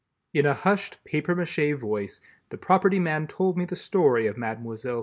In a hushed papièr mâché voice the property man told me the story of Mlle.